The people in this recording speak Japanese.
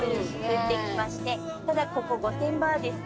ただここ御殿場はですね